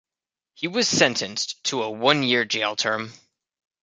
He was sentenced to a one-year jail term.